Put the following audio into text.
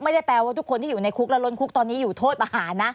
ไม่ได้แปลว่าทุกคนที่อยู่ในคุกและล้นคุกตอนนี้อยู่โทษประหารนะ